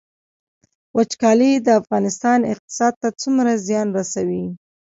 وچکالي د افغانستان اقتصاد ته څومره زیان رسوي؟